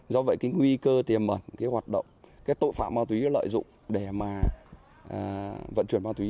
do vậy cái nguy cơ tiềm ẩn cái hoạt động cái tội phạm ma túy lợi dụng để mà vận chuyển ma túy